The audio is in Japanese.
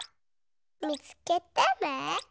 みつけてね。